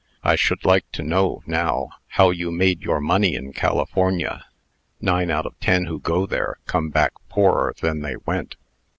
I should like to know, now, how you made your money in California. Nine out of ten who go there, come back poorer than they went."